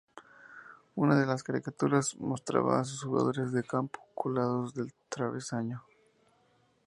Una de las caricaturas mostraba a sus jugadores de campo colgados del travesaño.